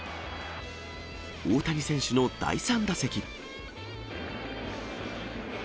大谷選手の第３打席。